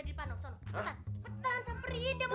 ada apa ada apa